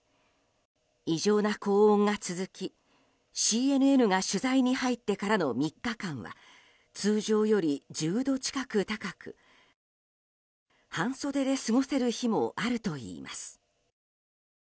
異常な高温が続き、ＣＮＮが取材に入ってからの３日間は通常より１０度近く高く半袖で過ごせる日もあるといいます。